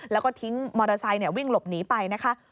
แล้วก็ทิ้งมอเตอร์ไซค์วิ่งหลบหนีไปนะคะ